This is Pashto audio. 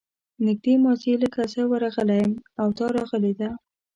نږدې ماضي لکه زه ورغلی یم او دا راغلې ده.